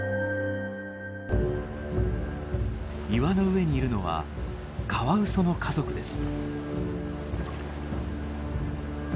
岩の上にいるのはカワウソの家族です。